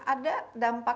ada dampak yang populer